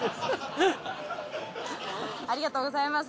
ありがとうございます。